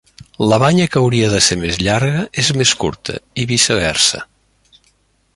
La banya que hauria de ser més llarga, és més curta, i viceversa.